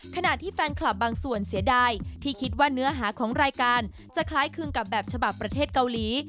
ขณะที่แฟนคลับบางส่วนเสียดายที่คิดว่าเนื้อหาของรายการจะคล้ายคลึงกับแบบฉบับประเทศเกาหลี